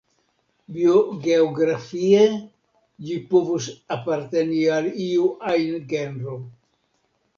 Biogeografie, ĝi povus aparteni al iu ajn genro.